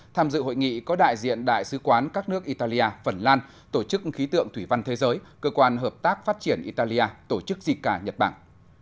tham dự hội nghị có đại diện đại sứ quán các nước italia phần lan tổ chức khí tượng thủy văn thế giới cơ quan hợp tác phát triển italia tổ chức zika nhật bản